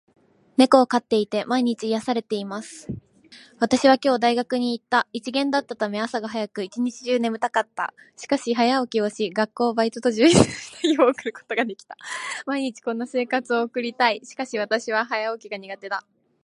私は今日大学に行った。一限だったため、朝が早く、一日中眠たかった。しかし、早起きをし、学校、バイトと充実した日を送ることができた。毎日こんな生活を送りたい。しかし私は早起きが苦手だ。